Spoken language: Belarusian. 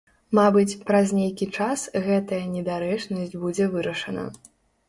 Мабыць, праз нейкі час гэтая недарэчнасць будзе вырашана.